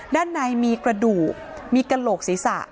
ด้านในมีกระดูกมีกระโหลกศีรษะ